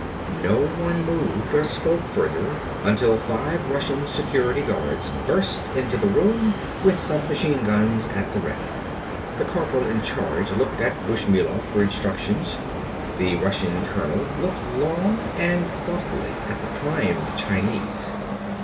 No one moved or spoke further until five Russian security guards burst into the room with submachine guns at the ready. The corporal in charge looked to Bushmilov for instructions. The Russian colonel looked long and thoughtfully at the primed Chinese.